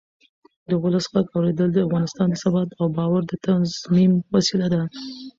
د ولس غږ اورېدل د افغانستان د ثبات او باور د تضمین وسیله ده